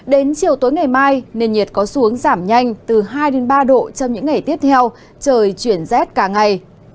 đến chiều tối ngày mai nền nhiệt có xuống giảm nhanh từ hai ba độ trong những ngày tiếp theo trời chuyển rét cả ngày